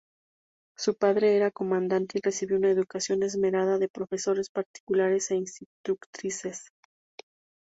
Su padre era comandante y recibió una educación esmerada de profesores particulares e institutrices.